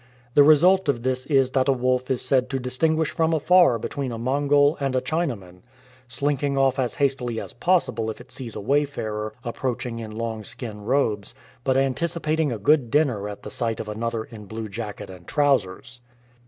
The result of this is that a wolf is said to distinguish from afar between a Mongol and a Chinaman, slinking off as hastily as possible if it sees a wayfarer approaching in long skin robes, but anticipating a good dinner at the sight of another in blue jacket and trousers.